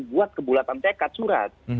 buat kebulatan tekad surat